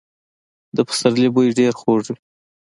د پسرلي بوی ډېر خوږ وي.